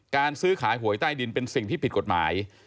การซื้อขายหวยใต้ดินเป็นสิ่งที่ผิดกฎหมาย